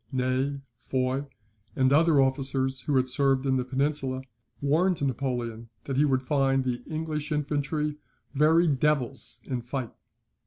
Ney, Foy, and other officers who had served in the Peninsula, warned Napoleon that he would find the English infantry "very devils in fight."